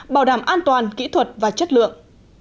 bảo đảm an toàn kỹ thuật và chất lượng